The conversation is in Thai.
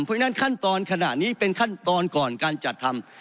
เพราะฉะนั้นขั้นตอนขณะนี้เป็นขั้นตอนก่อนการจัดทำ